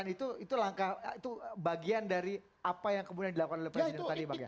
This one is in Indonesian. itu bagian dari apa yang kemudian dilakukan oleh presiden tadi pak ya